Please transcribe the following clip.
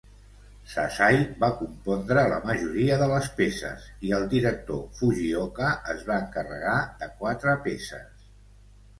Sasai va compondre la majoria de les peces i el director Fujioka es va encarregar de quatre peces.